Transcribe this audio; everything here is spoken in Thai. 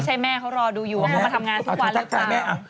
ใช่แม่เขารอดูอยู่ว่าเขามาทำงานทุกวันหรือเปล่า